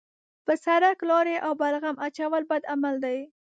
په سړک لاړې او بلغم اچول بد عمل دی.